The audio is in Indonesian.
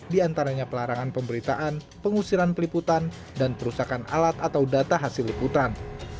diantaranya pelarangan pemberitaan pengusiran peliputan dan perusahaan alat atau data hasil liputan